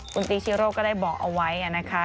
คุณตีชิโร่ก็ได้บอกเอาไว้นะคะ